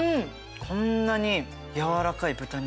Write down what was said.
こんなに柔らかい豚肉